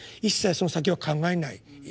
一切その先は考えない